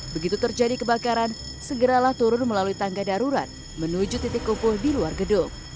begitu terjadi kebakaran segeralah turun melalui tangga darurat menuju titik kukuh di luar gedung